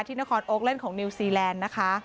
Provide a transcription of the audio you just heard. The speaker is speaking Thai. นครโอ๊คเล่นของนิวซีแลนด์นะคะ